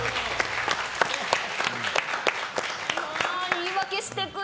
言い訳してくる。